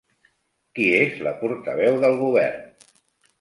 Qui és la portaveu del govern?